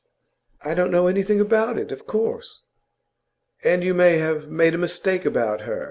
'I don't know anything about it, of course.' 'And you may have made a mistake about her.